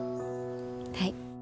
はい。